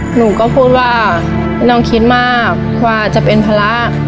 หนูก็พูดว่าน้องคิดมากกว่าจะเป็นภาระ